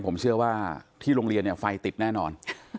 ผมเชื่อว่าที่โรงเรียนเนี่ยไฟติดแน่นอน